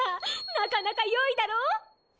なかなか良いだろう。